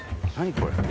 これ」